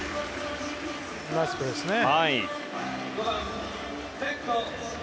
ナイスプレーですね。